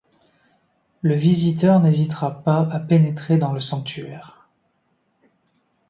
Le visiteur n’hésitera pas à pénétrer dans le sanctuaire.